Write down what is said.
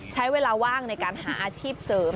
ใช้เวลาว่างในการหาอาชีพเสริม